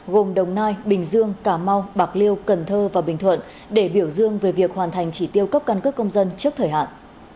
gồm đồng nai bình dương cà mau bạc liêu cần thơ và bình thuận để biểu dương về việc hoàn thành chỉ tiêu cấp căn cước công dân trước thời hạn